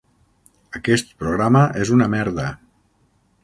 Aquest programa és una merda.